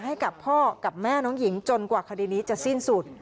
ให้กับพ่อกับแม่น้องหญิงจนกว่าคดีนี้จะสิ้นสุด